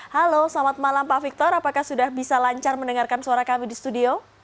halo selamat malam pak victor apakah sudah bisa lancar mendengarkan suara kami di studio